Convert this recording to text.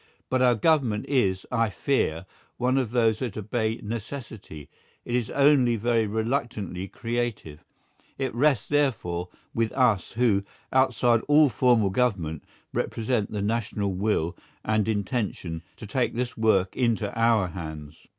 But our Government is, I fear, one of those that obey necessity; it is only very reluctantly creative; it rests, therefore, with us who, outside all formal government, represent the national will and intention, to take this work into our hands.